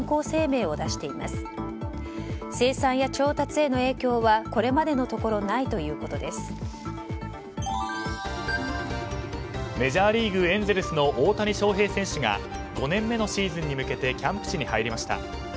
生産や調達への影響はこれまでのところメジャーリーグエンゼルスの大谷翔平選手が５年目のシーズンに向けてキャンプ地に入りました。